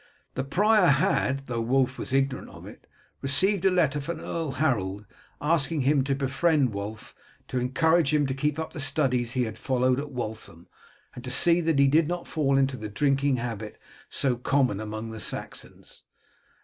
The prior had, though Wulf was ignorant of it, received a letter from Earl Harold asking him to befriend Wulf, to encourage him to keep up the studies he had followed at Waltham, and to see that he did not fall into the drinking habit so common among the Saxons.